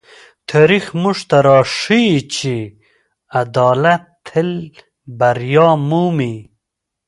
تاریخ موږ ته راښيي چې عدالت تل بریا مومي.